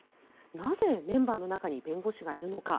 なぜ、メンバーの中に弁護士がいるのか。